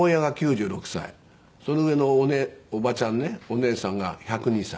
その上の伯母ちゃんねお姉さんが１０２歳。